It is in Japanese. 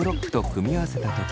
組み合わせた時？